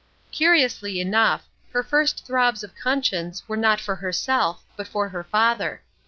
Curiously enough, her first throbs of conscience were not for herself but for her father.